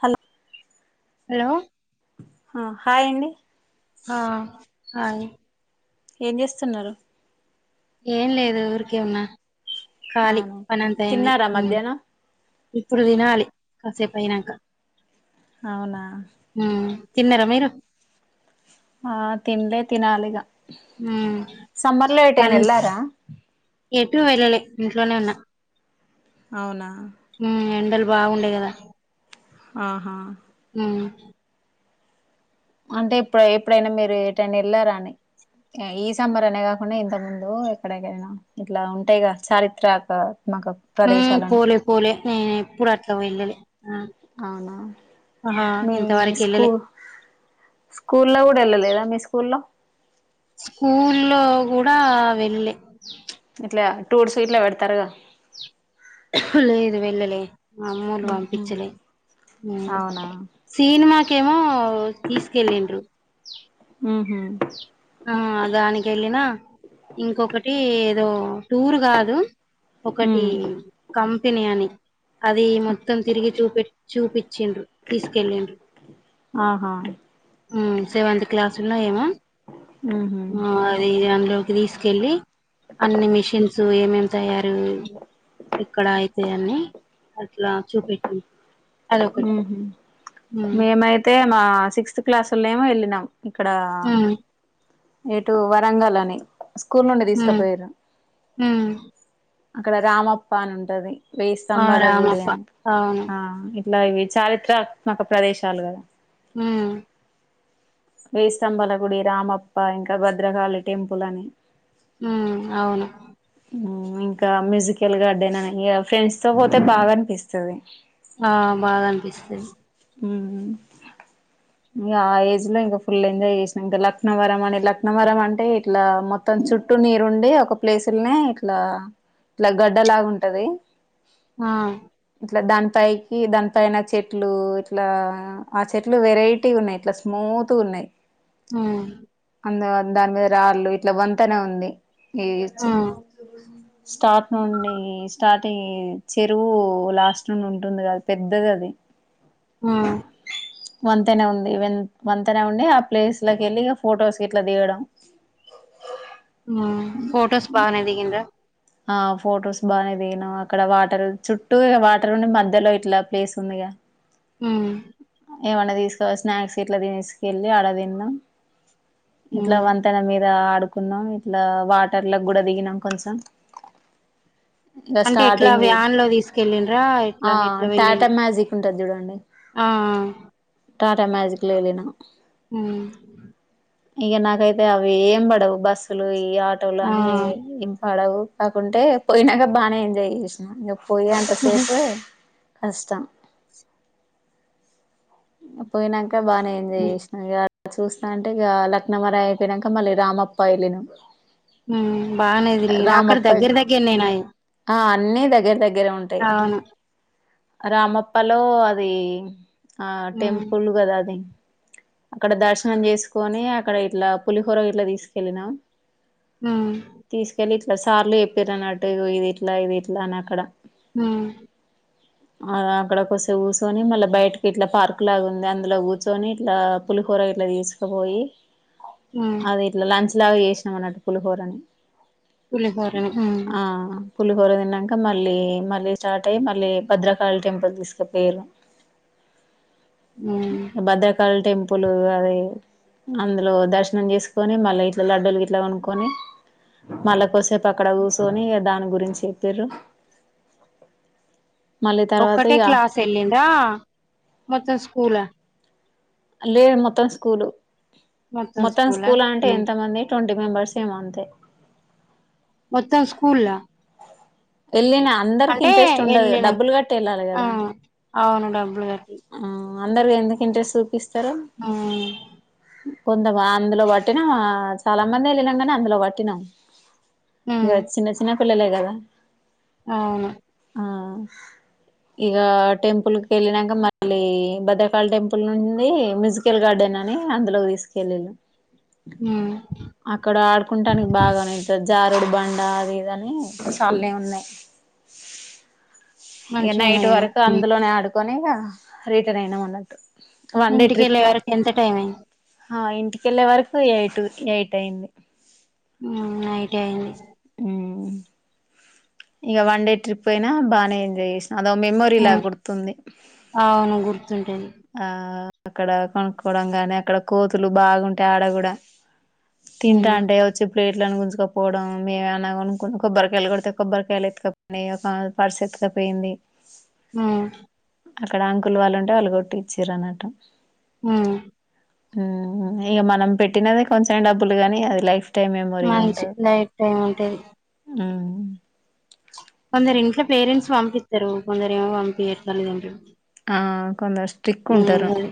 హన్ hello ఆ హాయండి ఆ హాయ్ ఏం చేస్తున్నరు? ఏం లేదు ఊరికే ఉన్నా. ఖాలి అవును పన్నెంతయింది తిన్నారా ఉమ్ మధ్యాహ్నం ఇప్పుడు తినాలి. కాసే పైనంక అవునా ఆ తిన్నరా మీరు? ఆ తిన్లె తినాలిగా. ఉమ్ సమ్మర్ లో ఏటైన ఎల్లారా? ఎటూ వెళ్ళలే ఇంట్లోనే ఉన్నా. అవునా ఉమ్ ఎండలు బాగుండే కదా. ఆహా ఉమ్ అంటే ఇప్పుడు ఎప్పుడైనా మీరు ఏటైనా ఎళ్లారాని? ఈ సమ్మర్ అనే కాకుండా ఇంత ముందు ఎక్కడికైనా ఇట్ల ఉంటాయి గా చారిత్రక. పోలే పోలే నేను ఎప్పుడు అట్లా వెళ్ళలే అవునా ఆహా మీ ఇంతవరకు స్కూ వెళ్ళలే స్కూ లో కూడా వెళ్ళలేదా మీ స్కూల్లో స్కూల్లో కూడా వెళ్లే ఇట్ల టూర్స్ ఇట్ల పెడతారుగా లేదు వెళ్ళలే మా అమ్మోళ్ళు ఉహు పంపించలే అవునా సినిమా కెమో తీసుకెళ్ళిండ్రు హుహు ఆ దానికి వెళ్ళిన ఇంకొకటి ఏదో టూర్ కాదు ఒకటి ఉమ్ కంపెనీ అని అది మొత్తం తిరిగి చ చూపిచ్చిండ్రు తీసుకెళ్ళండ్రు ఆహా సెవెంత్ క్లాసులో ఏమో ఉహు అది అందులోకి తీసుకెళ్ళి అన్ని మిషిన్స్ ఏమేమి తయారు ఇక్కడ అయితే అని అట్లా చూపెట్టింది అదొకటి ఉమ్ హం ఉమ్ మేమైతే మా సిక్స్త్ క్లాస్ లెమో వెలినాం. ఇక్కడ ఉమ్ ఎటు వరంగల్ అని స్కూల్ నుండి ఉమ్ తీసుకుపోయారు ఉమ్ అక్కడ రామప్ప అని ఉంటుంది. వెయ్యి ఆ స్తంభాల గుడి రామప్ప అని అవును ఆ ఇలా ఇవి చారిత్రాత్మక ప్రదేశాలు కదా. హు వేయి స్తంబల గుడి రామప్ప ఇంకా భద్రకాళి టెంపుల్ అని. ఉ అవును ఉమ్ ఇంకా మ్యూజికల్ గా [inaudible] ఇగ ఫ్రెండ్స్ తో పోతే బాగా అనిపిస్తుది. ఆ బాగా అనిపిస్తుంది ఇమ్ ఇగ ఆ ఏజ్ లో ఇంకా ఫుల్ ఎంజాయ్ చేసినా ఇంకా లక్నవరం. మన లక్నవరం అంటె ఇట్ల మొత్తం చుట్టూ నీరు ఉండి ఒక ప్లేసులనే ఇట్ల. ఇలా గడ్డ లాగా ఉంటది. ఆ ఇట్లా దానిపైకి దానిపైన చెట్లు ఇట్లా ఆ చెట్లు వెరైటీ ఉన్నాయి ఇట్లా స్మో. స్మూత్ గా ఉన్నాయి. హ అందు దాని మీద రాళ్ళు ఇట్లా వంతనే ఉంది ఈ ఆ స్టార్ట్ నుండి స్టార్టింగ్ చెరువు లాస్ట్ నుండి ఉంటుంది కదా పెద్దది అది. ఆ వంతెన ఉంది వన్ వంతెనే ఉండి ఆ ప్లేస్ లోకి వెళ్ళి ఫొటోస్ గిట్ల దిగడం. ఫొటోస్ బాగానే దిగింరా ఆ ఫొటోస్ బాగానే దిగినం అక్కడ వాటర్ చుట్టూ వాటర్ ఉండి మధ్యలో ఇట్లా ప్లేస్ ఉంది. [unintelligible] హు ఏమన్నా తీసుకోవాలి స్నాక్స్ ఇట్లా తీసుకెళ్ళి అడ తిన్నా ఇట్లా ఉమ్ వంతెన మీద ఆడుకున్నాం ఇట్లా వాటర్ల కూడా దిగినాం కొంచెం. ఇగ అంటే ఎట్లా స్టార్టింగ్ వ్యాన్ లో తీసుకెళ్ళండ్రా ఆ! ఎట్లా ఎట్లా వెళ్ టాటా మ్యాజిక్ ఉంటది జూడండి. ఆ టాటా మ్యాజిక్ లో వెళ్ళినాం మ్ ఇక నాకైతే అవి ఏం పడవు బస్సులు ఈ ఆటోలు ఆ అని ఇం పడవు కాకుంటే పోయినాక బానే ఎంజాయ్ చేసిన ఇంక పోయే ఉహు, అంతసేపు కష్టం పోయినాక బానే ఎంజాయ్ చేసినా ఇగ ఇ చూస్తాంటే ఇక లక్నం వర అయిపోయినాక మళ్ళీ రామప్ప వెళ్ళిన మ్మ్ బానే తిరిగినృ అక్కడ దగ్గర దగ్గర నయినాయి అన్నీ దగ్గర దగ్గరే ఉంటాయి రామప్పలో అది ఆ ఉమ్ టెంపుల్ కదా అది అక్కడ దర్శనం చేసుకొని అక్కడ ఇట్లా పులిహోర ఇట్లా తీసుకెళ్ళినాం ఉమ్ తీసుకెళ్ళి సార్లు చెప్పిరు అన్నట్టు ఇది ఇట్ల ఇది ఇట్ల అని అక్కడ ఉమ్ ఆ అక్కడ కొంసేపు కూర్చుని మల్ల బయటకి ఇట్ల పార్కు లాగా ఉంది అందులో కూర్చొని ఇట్ల పులిహోర ఇట్ల తీసుకుపోయి ఉమ్ అది ఇట్ల లంచ్ లాగా చేసినాం అన్నట్టు పులిహోరని పులిహోర ఉమ్ ఆ పులిహోర తిన్నాక మళ్ళీ మళ్ళీ స్టార్ట్ అయ్యి మళ్ళీ భద్రకాళి టెంపుల్ తీసుకుపోయిరు ఉమ్ భద్రకాళి టెంప్ ప్పులు అది అందులో దర్శనం చేసుకొని మళ్ళీ ఇట్ల లడ్డూలు ఇట్ల కొనుకొని మళ్ళ కొసేపు అక్కడ కుసోనీ దాని గురించి చెప్పిరు ఒక్కటే ఇగ క్లాస్ వెళ్ళిందా మొత్తం స్కూల్ అ? లేదు మొత్తం స్కూల్ మొత్తం స్కూలా స్కూల్ అంటే ఉమ్. ఎంతమంది ట్వంటీ మెంబెర్స్ ఏమో అంతే మొత్తం స్కూల్ అ? వెళ్ళిన అందరికి ఇంట్రెస్ట్ ఉండదు వెళ్ళిన డబ్బులు కట్టి వెళ్ళాలి ఆ కదా అవును డబ్బులు కట్టి అందరు ఎందుకు ఇంట్రెస్ట్ చూపిస్త మ్మ్ కొంత అందులో పట్టినాము చాలా మంది వెళ్ళినాం కానీ అందులో పట్టినాం ఇగ హ్మ్ చిన్న చిన్న పిల్లలే కదా అవును ఆ ఇక టెంపుల్ కి వెళ్ళినాక మళ్ళీ బద్రకాళ టెంపుల్ నుండి మ్యూజికల్ గార్డెన్ అని అందులోకి తీసుకు వెళ్లింరు హ్మ్ అక్కడ ఆడుకుంటానికి బాగానేతుంది జారుడు బండ అది ఇది అని చాలనే ఉన్నాయి ఇక నైట్ మంచిగున్నాయేమో వరకు అందులోనే ఆడుకొని ఇక రిటైన్ అయినాం అన్నట్టు వన్ డే ఇంటికెళ్ళే ట్రిప్ వరకు ఎంత టైమ అయింది ఆ ఇంటికెళ్ళే వరకు ఎయిట్ ఎయిట్ అయింది నైట్ అయింది మ్మ్ ఇగ వన్ డే ట్రిప్ అయినా బానే ఎంజాయ్ చేస్ అదో మెమోరీలా హ్మ్ గుర్తుంది. అవును గుర్తుంటది ఆ అక్కడా కొనుక్కోడం గాని అక్కడ కోతులు బాగుంటయి ఆడ గుడా హ్మ్ తింటాంటే వచ్చి ప్లేట్లులను గుంజుకపోవడం మేము ఏమన్న కొనుకొని కొబ్బర్ కాయల్ కొడితే కొబ్బరికాయల్ ఎత్తుకపోయినయి ఒక ఆమె పర్స్ ఎత్తుకపోయింది. మ్ అక్కడ అంకుల్ వాళ్ళు ఉంటే వాళ్ళు కొట్టిచ్చిరన్నట్టు. మ్ ఇగ మనం పెట్టినదే కొంచం డబ్బులు గని అది లైఫ్ టైం మెమొరీగా మంచి లైఫ్ టైం ఉంటది. మ్ కొందరు ఇంట్లో పేరెంట్స్ పంపిత్తరు కొందరేమో పంపియ [unintelligible] ఆ కొందరు స్ట్రిక్ ఉంటరు. గదే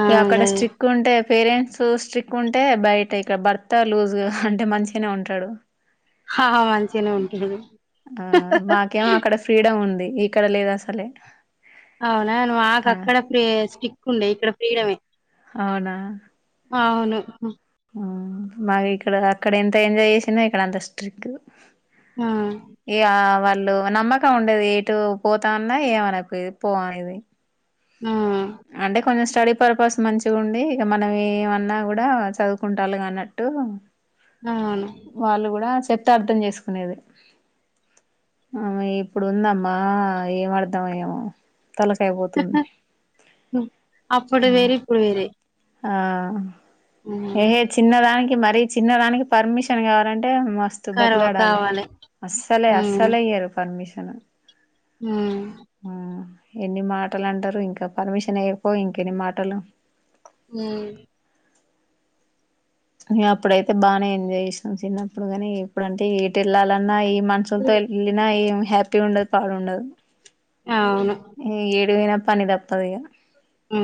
ఆ ఇగ అక్కడ గదే స్ట్రిక్ ఉంటే పేరెంట్స్ స్ట్రిక్ ఉంటే బయట ఇక భర్త లూజ్గా అంటే మంచిగనే ఉంటడు. హా మంచిగనే ఉంటది ఆ మాకేమో అక్కడ ఫ్రీడం ఉంది. ఇక్కడ లేద్ అసలే అవునా ఆ మాకక్కడ ఫ్రీ స్ట్రిక్ ఉండే ఇక్కడ ఫ్రీడమే అవునా అవును. మాకు ఇక్కడ అక్కడ ఎంత ఎంజాయ్ చేసింనో ఇక్కడ అంత స్ట్రిక్ ఆ ఇగ అవన్ లు నమ్మకం ఉండది ఎటు పోతా అన్నా ఏమనకపోయేది పో అనేది ఆ అంటే కొంచెం స్టడీ పర్పస్ మంచిగుండి ఇక మనం ఏమన్నా గుడా చదువుకుంటాన్లుగా అన్నట్టు అవును వాళ్ళు గుడా చెప్తే అర్థం చేసుకునేది. ఆ ఇప్పుడు ఉందమ్మా ఏం అర్థంమో ఏమో తలకాయ్ పోతుంది. అప్పుడు ఉమ్. వేరే ఇప్పుడు వేరే ఆ ఎహే చిన్నదానికి మరీ చిన్నదానికి పర్మిషన్ కావాలం టే మస్త్ కరవ బతిలాడాలే కావాలి అస్సలె ఉమ్ అస్సలె ఇయ్యరు పర్మిషన్ ఉమ్ ఆ ఎన్ని మాటల్ అంటరు ఇంకా పర్మిషన్ ఏపో ఇంకెన్ని మాటలు మ్ నా అప్పుడైతే బానే ఎంజాయ్ చేస్న చిన్నప్పుడు గని ఇప్పుడంటే ఎటెళ్లాలన్నా మనుషుల్తో ఎళ్ళిన ఏం హ్యాపీ ఉండదు పాడుండదు. అవును ఏడు పని తప్పదు ఇగ ఆ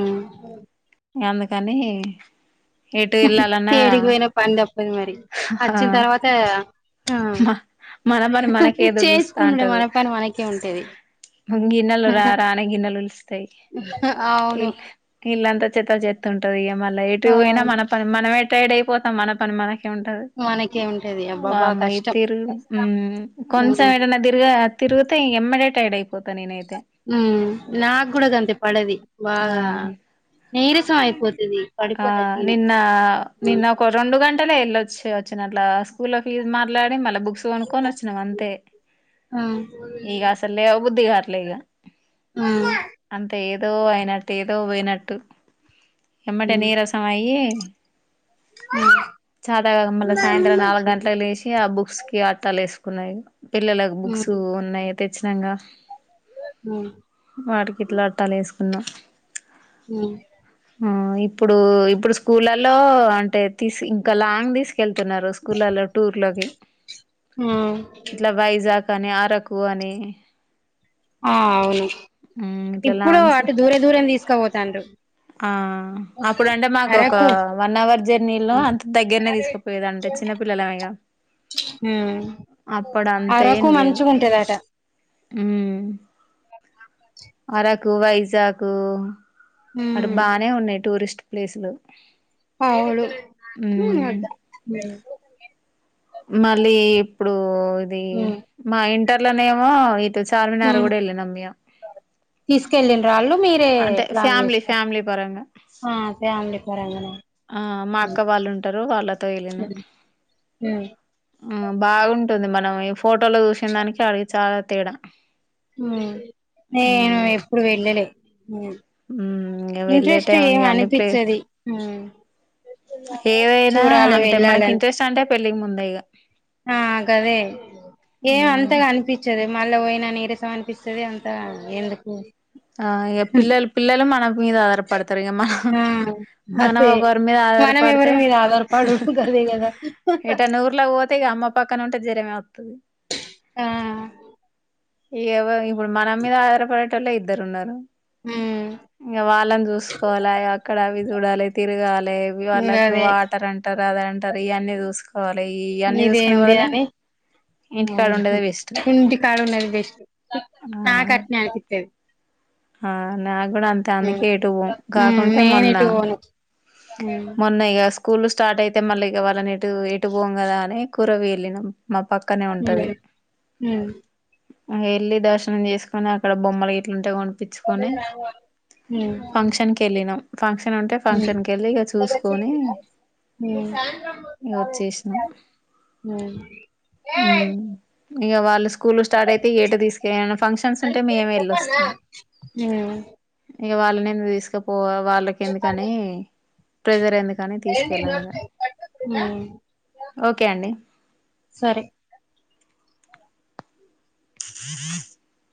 అందుకని ఎటు ఎల్లాల్ ఏడికిపోయిన పని తప్పది మరి ఆ అచ్చిన్ తర్వాత ఆ మన పని మనకే ఎదురు చూస్తా చేస్కునుడే ఉంటది మన పని మనకే ఉంటది. గిన్నెలు రా రా అని గిన్నెలు పిలుస్తయి. అవును ఇల్ ఇళ్లంత చెత్త చెత్ ఉంటది ఇగ మళ్ళ ఎటు పోయినా అవును మన పని మనమే టైడ్ అయిపోతం. మన పని మనకే ఉంటది. మనకే ఉంటది అబ్బాబా వామ్మో ఈ కష్టం తిరుగుడు మ్ కొంచం ఉమ్ ఎటన్న తిరుగ తిరుగుతే ఎమ్మడే టైడ్ అయిపోత నేనై మ్ నాక్ గుడ గంతే పడది ఆ బాగా నీరసం అయిపోత్ ఆహ్ నిన్న ఉమ్ నిన్న ఒక రెండు గంటలే వెళ్ళొచ్చి వచ్చిన అట్లా. స్కూల్ లో ఫీజు మాట్లాడి మళ్ళీ బుక్స్ కొనుక్కొని వచ్చినాం అంతే. ఇగ అసలు లేవబుద్ధి కావట్లే ఇగ. ఉమ్. అంత ఏదో అయినట్టు ఏదో పోయినట్టు ఎమ్మటే నీరసం అయ్యి. చాతకాక మళ్ళీ సాయంత్రం నాలుగు గంటలకు లేచి ఆ బుక్. బుక్స్ కి ఆట్టాలు వేసుకున్నా ఇగ పిల్లలకు బుక్స్ ఉన్నాయి తెచ్చినంగా. వాటికి ఇట్లా అట్టాలు వేసుకున్నాం. ఉమ్. ఆహ్ ఇప్పుడు ఇప్పుడు స్కూలలో అంటే తీసి. ఒక లాంగ్ తీసుకెళ్తున్నారు స్కూళ్లలో టూర్లోకి. ఉమ్. కానీ అరకు అని. ఆహ్ అవును హ్మ్. ఇట్లా ఇప్పుడు లాంగ్స్ అటు దూర దూరం తీసుకపోతాండ్రు. ఆహ్ అప్పుడు అంటే మాకు ఒక అరకు వన్ అవర్ జర్నీలో అంత దగ్గరనే తీసుకుపోయేది అంటే చిన్న పిల్లలమే కదా. ఉమ్ అప్పుడంతేం అరకు లేదు. మంచిగా ఉంటదట ఉమ్ అరకు వైజాకు. అటు ఉమ్ బాగానే ఉన్నాయి టూరిస్ట్ ప్లేసులు. ఆవుళు ఉమ్ మ్మ్ అదా ఉమ్. మళ్ళీ ఇప్పుడు ఇది మా ఇంటర్లోనేమో. చార్మినారుగుడా వెళ్లినం ఇగా. తీసుకెళ్ళిండ్రు వాళ్ళు మీరే అంటే ప్లాన్ ఫ్యామ్లీ చేసుకో ఫ్యామ్లీ పరంగా. ఆ ఫ్యామిలీ పరంగానే ఆహ్ మా ఉమ్ అక్క వాళ్ళు ఉంటారు వాళ్ళతో వెళ్ళిన. ఆహ్. ఆహ్ బాగుంటుంది మనం ఈ ఫోటోలో చూసిన దానికి అడికి చాలా తేడా. ఉమ్ నేను ఎప్పుడు వెళ్ళలే. మూవీల్ ఇక వెళ్ళే ఇంట్రెస్ట్ టైం ఏం ఇక అనిపించది. ఏవైనా చూడాలి అంటే మనకి ఇంట్రెస్ట్ అంటే పెళ్ళికి ముందే ఇగా. ఆహ్ గదే ఏం ఇక అంతగా అనిపించదు. మళ్ళా పోయినా నీరసం మనిపిస్తది అంతా ఎందుకు. ఆహ్ ఇగ పిల్లలు పిల్లలు మనం. మీద ఆధారపడతారు ఇగ మనం. ఆ మనం అసే ఒకరి మీద మనం ఆధారపడితే. ఎవరి మీద ఆధారపడుడు గదే కదా ఎటన్నా ఊర్లకు పోతే ఇక అమ్మ పక్కన ఉంటే జ్వరమే వస్తది. ఆహ్. ఇగ ఎవ ఇప్పుడు మన మీద ఆధారపడేటోలే ఇద్దరు ఉన్నారు. ఉమ్ ఇంకా వాళ్ళని చూసుకోవాలే అక్కడ అవి చూడాలే తిరగాలే. మేబి వాళ్ళకు గదే వాటర్ అంటారు అద అంటారు ఇవన్నీ చూసుకో. కోవాలే ఈ అన్నీ చూసుకునే ఇదేంది వదలే. అని అవును ఇంటికాడ ఉన్నదే బెస్ట్ నాకట్నే అనిపిస్తది. ఆహ్ నాకు కూడా అంతే ఉమ్ అందుకే ఎటుపోం ఉమ్ కాకుంటే నేను మొన్న. ఎటు పోను ఉమ్ మొన్న ఇగా సూ. స్కూల్ స్టార్ట్ అయితే మళ్ళా ఇగ వాళ్ళని ఎటు ఎటు పోం కదా అని కూరవ వెళ్ళినాం. మా పక్కనే ఉంటది. ఉమ్ ఉమ్ ఆహ్ వెళ్ళి దర్శనం చేసుకొని అక్కడ బొమ్మలు గిట్లుంటే కొన్. యిచ్చుకొని ఉమ్ ఫంక్షన్కి వెళ్ళినాం. ఫంక్షన్ ఉంటే ఫంక్షన్ కి వెళ్ళి ఇక చూసుకొని సాయంత్రం పూట ఇక కాలేజీ వచ్చేసినాం రేయ్ ఉమ్ ఇక వాళ్ళు స్కూల్ స్టార్ట్ అయితే ఏటు తీసుకెనులేం ఫంక్షన్స్ ఉంటే మేమే వెళ్ళొస్తాం ఉ ఇక వాళ్ళని ఎందు తీసుకుపో వాళ్ళకి ఎందుకని ప్ర్రెజర్ ఎందుకు కానీ తీసుకెళ్ళాంగా ఉమ్ ఓకే అండి సరే [inaudible]